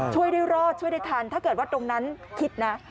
ช่วยได้รอดช่วยได้ทันถ้าเกิดว่าตรงนั้นคิดนะ